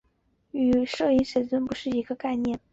与完全摄影写真的不是一个概念。